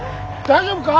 大丈夫か！？